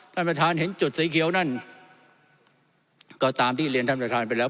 ท่านประธานเห็นจุดสีเขียวนั่นก็ตามที่เรียนท่านประธานไปแล้ว